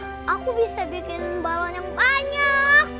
oh ya aku bisa bikin balon yang banyak